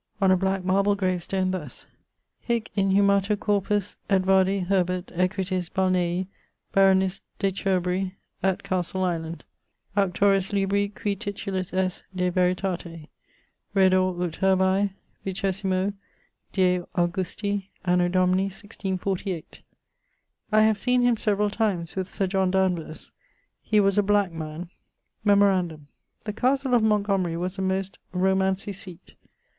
On a black marble grave stone thus: Heic inhumatur corpus Edvardi Herbert, Equitis Balnei, Baronis de Cherbury et Castle Island. Auctoris Libri cui titulus est De Veritate. Reddor ut herbae, Vicessimo die Augusti, Anno Domini 1648. I have seem him severall times with Sir John Danvers: he was a black man. Memorandum: the castle of Montgomery was a most romancy seate.